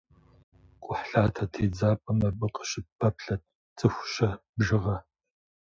Кхъухьлъатэ тедзапӏэм абы къыщыпэплъэрт цӏыху щэ бжыгъэ.